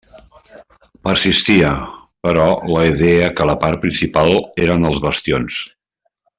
Persistia, però, la idea que la part principal eren els bastions.